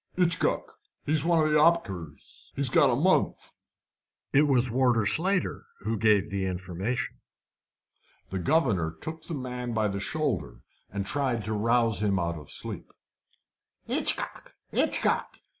"'Itchcock. He's one of the 'oppickers. He's got a month." It was Warder Slater who gave the information. The governor took the man by the shoulder, and tried to rouse him out of sleep. "Hitchcock! Hitchcock!